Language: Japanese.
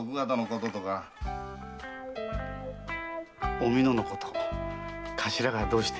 お美濃のこと頭がどうして。